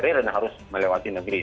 jadi mereka harus melewati negeri